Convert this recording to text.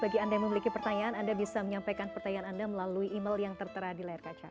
bagi anda yang memiliki pertanyaan anda bisa menyampaikan pertanyaan anda melalui email yang tertera di layar kaca